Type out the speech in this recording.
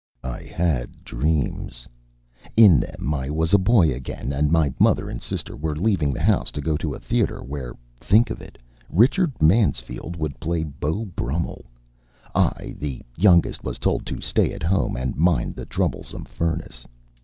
I had dreams. In them I was a boy again, and my mother and sister were leaving the house to go to a theater where think of it! Richard Mansfield would play Beau Brummell. I, the youngest, was told to stay at home and mind the troublesome furnace.